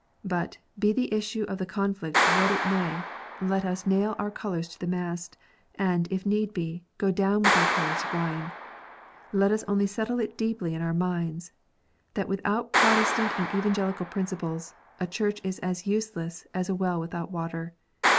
But, be the issue of the conflict what it may, let us nail our colours to the mast ; and, if need be, go down with our colours flying. Let us only settle it deeply in our minds, that /without Protestant and Evangelical principles, a Church is as useless as a well without water.